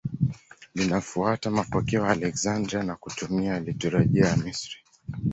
Linafuata mapokeo ya Aleksandria na kutumia liturujia ya Misri.